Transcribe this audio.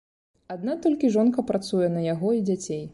Адна толькі жонка працуе на яго і дзяцей.